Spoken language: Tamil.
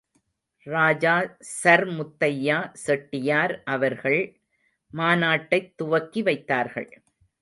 ராஜா சர் முத்தையா செட்டியார் அவர்கள் மாநாட்டைத் துவக்கிவைத்தார்கள்.